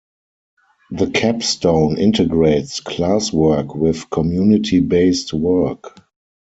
The capstone integrates class work with community-based work.